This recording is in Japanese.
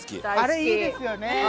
あれいいですよね。